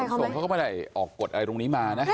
ส่งเขาก็ไม่ได้ออกกฎอะไรตรงนี้มานะ